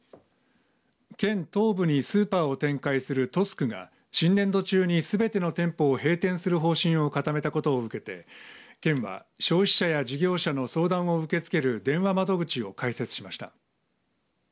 県東部にスーパーを展開するトスクが新年度中にすべての店舗を閉店する方針を固めたことを受けて県は消費者や事業者の相談を受け付ける電話窓口を開設しました。